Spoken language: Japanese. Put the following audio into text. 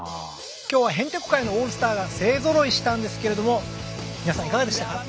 今日はへんてこ界のオールスターが勢ぞろいしたんですけれども皆さんいかがでしたか？